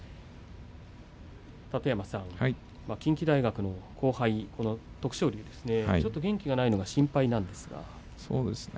楯山さん、近畿大学の後輩の徳勝龍ですね元気がないのが心配ですね。